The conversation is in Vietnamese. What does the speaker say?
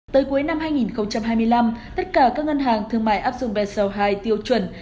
tới cuối năm hai nghìn hai mươi năm tất cả các ngân hàng thương mại áp dụng bseo hai tiêu chuẩn